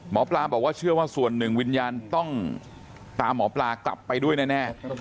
หมอปลาบอกว่าเชื่อว่าส่วนหนึ่งวิญญาณต้องตามหมอปลากลับไปด้วยแน่